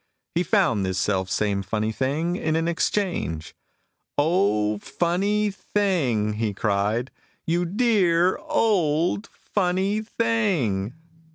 He found this selfsame funny thing In an exchange "O, funny thing!" He cried, "You dear old funny thing!"